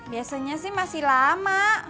biasanya sih masih lama